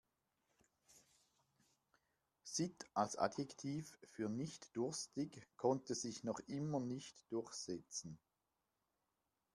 Sitt als Adjektiv für nicht-durstig konnte sich noch immer nicht durchsetzen.